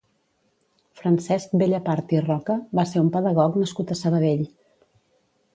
Francesc Bellapart i Roca va ser un pedagog nascut a Sabadell.